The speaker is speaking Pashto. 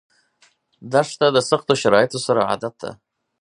دښته د سختو شرایطو سره عادت ده.